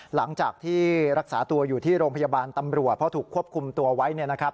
หลังจากที่รักษาตัวอยู่ที่โรงพยาบาลตำรวจเพราะถูกควบคุมตัวไว้เนี่ยนะครับ